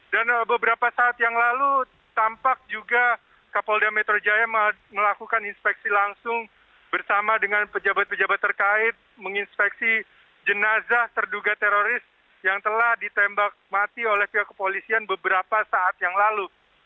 dan beberapa saat yang lalu tampak juga kapolda metro jaya melakukan inspeksi langsung bersama dengan pejabat pejabat terkait menginspeksi jenazah terduga teroris yang telah ditembak mati oleh pihak kepolisian beberapa saat yang lalu